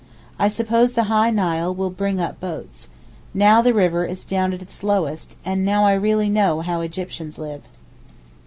I suppose the high Nile will bring up boats. Now the river is down at its lowest, and now I really know how Egyptians live.